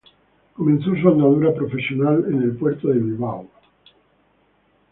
Comenzó su andadura profesional en el puerto de Bilbao.